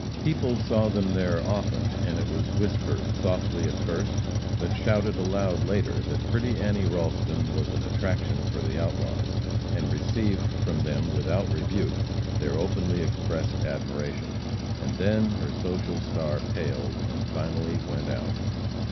People saw them there often, and it was whispered softly at first, but shouted aloud later, that pretty Annie Ralston was an attraction for the outlaws, and received from them, without rebuke, their openly expressed admiration, and then her social star paled, and finally went out.